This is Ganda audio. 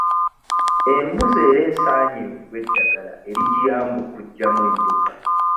Embuzi era esaanye eweebwe eddagala erigiyamba okuggyamu enjoka.